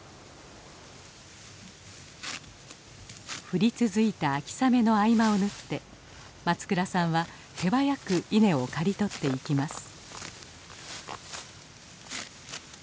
降り続いた秋雨の合間を縫って松倉さんは手早く稲を刈り取っていきます。